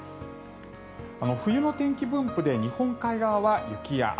冬の天気分布で日本海側は雪や雨。